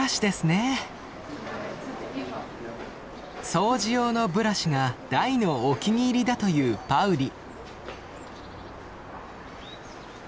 掃除用のブラシが大のお気に入りだというパウリ。